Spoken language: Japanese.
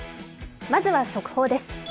まずは速報です。